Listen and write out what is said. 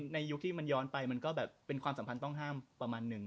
ยุคที่มันย้อนไปมันก็แบบเป็นความสัมพันธ์ต้องห้ามประมาณนึง